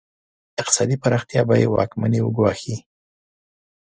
اقتصادي پراختیا به یې واکمني وګواښي.